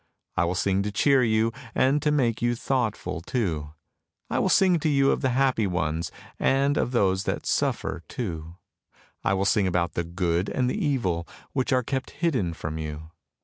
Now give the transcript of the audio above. I will sing to cheer you and to make you thoughtful too; I will sing to you of the happy ones, and of those that suffer too. I will sing about the good and the evil, which are kept hidden from you.